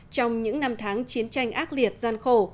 trong những năm tháng chiến tranh ác liệt gian khổ